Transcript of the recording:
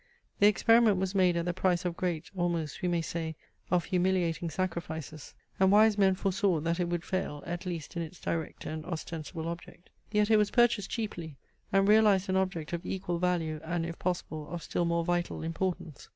The experiment was made at the price of great, almost, we may say, of humiliating sacrifices; and wise men foresaw that it would fail, at least in its direct and ostensible object. Yet it was purchased cheaply, and realized an object of equal value, and, if possible, of still more vital importance.